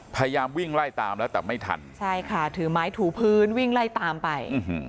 พยายามวิ่งไล่ตามแล้วแต่ไม่ทันใช่ค่ะถือไม้ถูพื้นวิ่งไล่ตามไป